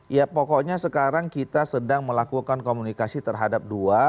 ya pokoknya sekarang kita sedang melakukan komunikasi terhadap dua